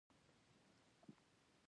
قسم په خدای که یهودان پرې خبر شول.